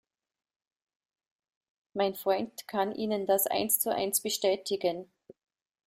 Mein Freund kann Ihnen das eins zu eins bestätigen.